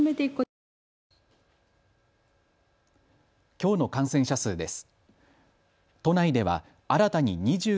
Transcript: きょうの感染者数です。